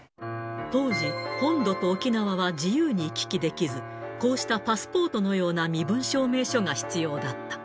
当時、本土と沖縄は自由に行き来できず、こうしたパスポートのような身分証明書が必要だった。